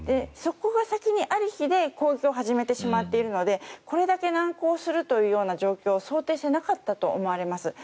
そこが先にありきで攻撃を始めてしまっているのでこれだけ難航するという状況を想定していなかったと思われます。